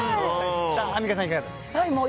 アンミカさん、いかがでしたか？